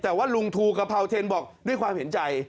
แต่ว่าลุงทูกะเพราเทนบอกด้วยความเห็นใจ